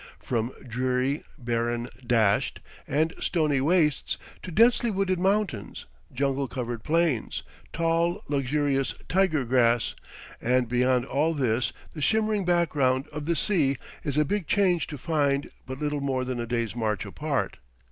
From dreary, barren dasht, and stony wastes, to densely wooded mountains, jungle covered plains, tall, luxurious tiger grass, and beyond all this the shimmering background of the sea is a big change to find but little more than a day's march apart.